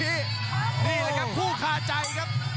ดีเลยครับคู่คาใจครับ